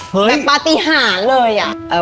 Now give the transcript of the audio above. ปฏิหารเลยอะ